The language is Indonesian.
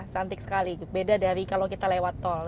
cantik sekali beda dari kalau kita lewat tol